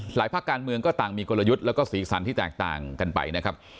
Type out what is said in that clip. ภาคการเมืองก็ต่างมีกลยุทธ์แล้วก็สีสันที่แตกต่างกันไปนะครับ